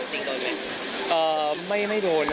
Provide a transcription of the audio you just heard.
ไม่โดนครับไม่โดน